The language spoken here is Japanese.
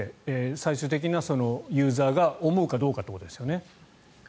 最終的なユーザーが思うかどうかということですよね。